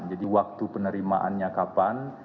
jadi waktu penerimaannya kapan